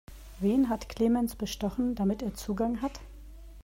Wen hat Clemens bestochen, damit er Zugang hat?